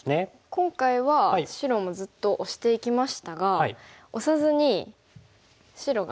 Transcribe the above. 今回は白もずっとオシていきましたがオサずに白が。